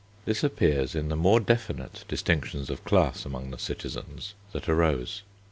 This appears in the more definite distinctions of class among the citizens that arose.